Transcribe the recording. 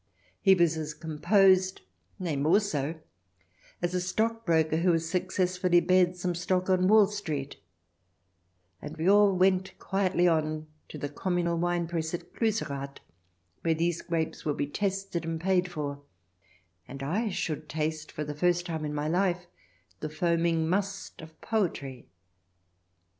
He was as com posed — nay, more so — as a stockbroker who has successfully beared some stock on Wall Street; and we all went quietly on to the communal wine press at Cluserath, where these grapes would be 314 THE DESIRABLE ALIEN [ch. xxi tested and paid for, and 1 should taste, for the first time in my life, the foaming must of poetry.